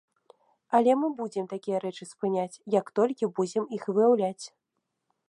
Але мы будзем такія рэчы спыняць, як толькі будзем іх выяўляць.